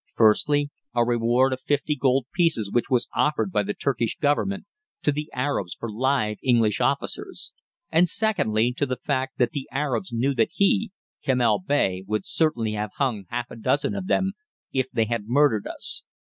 Firstly, a reward of 50 gold pieces which was offered by the Turkish Government to the Arabs for live English officers, and secondly, to the fact that the Arabs knew that he (Kemal Bey) would certainly have hung half a dozen of them if they had murdered us.